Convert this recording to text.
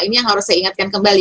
ini yang harus saya ingatkan kembali